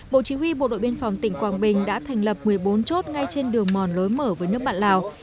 bộ chí huy bộ đội biên phòng tỉnh quảng bình đã thành lập một mươi bốn chốt ngay trên đường mòn lối mở với nước bạn lào